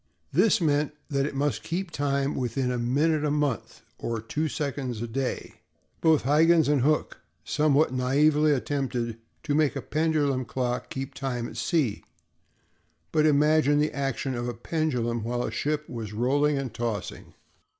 This meant that it must keep time within a minute a month, or two seconds a day. Both Huyghens and Hooke somewhat naively attempted to make a pendulum clock keep time at sea; but imagine the action of a pendulum while a ship was rolling and tossing!